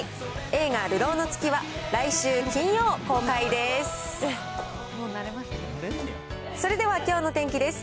映画、流浪の月は、来週金曜公開です。